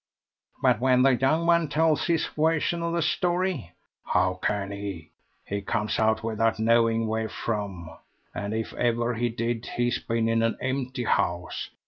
"But when the young one tells his version of the story?" "How can he? He comes out without knowing where from; and if ever he did, he's been in an empty house.